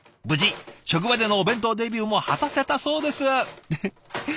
無事職場でのお弁当デビューも果たせたそうです。